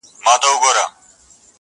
دې مخلوق ته به مي څنګه په زړه کیږم؟؛